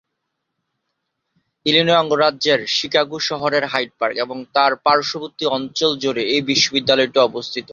Illinois অঙ্গরাজ্যের Chicago শহরের Hyde Park এবং তার পাশ্ববর্তী অঞ্চল জুড়ে এই বিশ্ববিদ্যালয়টি অবস্থিত।